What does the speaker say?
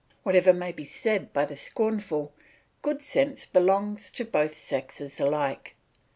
Whatever may be said by the scornful, good sense belongs to both sexes alike.